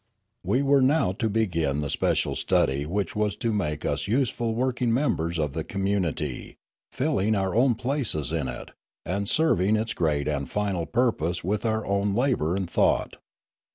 We were now to begin the special study which was to make us useful working members of the community, filling our own places in it, and serving its great and final purpose with our own labour and thought.